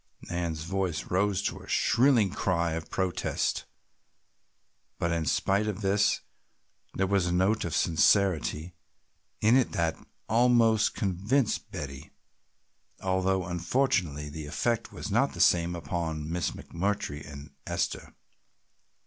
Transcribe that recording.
Nan's voice rose to a shrill cry of protest, but in spite of this there was a note of sincerity in it that almost convinced Betty, although unfortunately the effect was not the same upon Miss McMurtry and Esther.